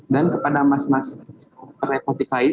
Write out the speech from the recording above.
dan kepada mas mas republik lain